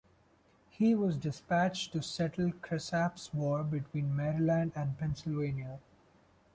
He was dispatched to settle Cresap's War between Maryland and Pennsylvania.